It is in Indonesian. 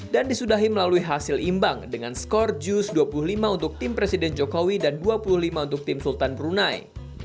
dan disudahi melalui hasil imbang dengan skor jus dua puluh lima untuk tim presiden jokowi dan dua puluh lima untuk tim sultan brunei